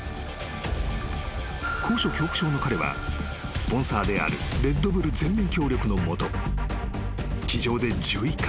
［高所恐怖症の彼はスポンサーであるレッドブル全面協力の下］